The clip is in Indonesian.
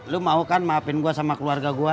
lo mau kan maafin gue sama keluarga gue